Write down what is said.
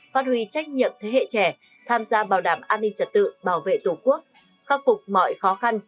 phát huy trách nhiệm thế hệ trẻ tham gia bảo đảm an ninh trật tự bảo vệ tổ quốc khắc phục mọi khó khăn